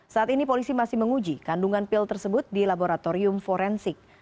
saat ini polisi masih menguji kandungan pil tersebut di laboratorium forensik